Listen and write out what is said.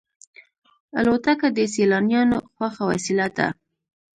الوتکه د سیلانیانو خوښه وسیله ده.